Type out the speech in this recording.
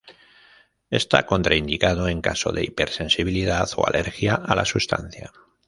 Está contraindicado en caso de hipersensibilidad o alergia a la sustancia.